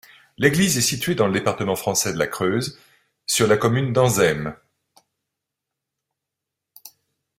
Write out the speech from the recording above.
L'église est située dans le département français de la Creuse, sur la commune d'Anzême.